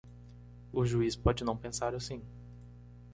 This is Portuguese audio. O juiz pode não pensar assim.